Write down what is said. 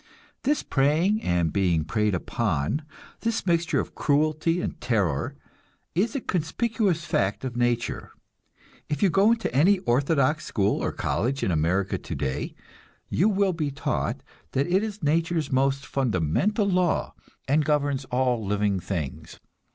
This preying and being preyed upon, this mixture of cruelty and terror, is a conspicuous fact of nature; if you go into any orthodox school or college in America today, you will be taught that it is nature's most fundamental law, and governs all living things.